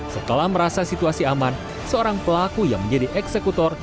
setelah merasa situasi aman seorang pelaku yang menjadi eksekutor